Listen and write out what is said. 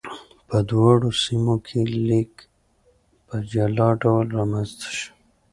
په دواړو سیمو کې لیک په جلا ډول رامنځته شو.